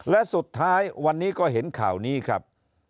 และสุดท้ายวันนี้ก็เห็นข่าวนี้ครับ